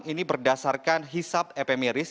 ini berdasarkan hisab epimeris